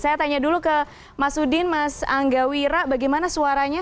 saya tanya dulu ke mas udin mas angga wira bagaimana suaranya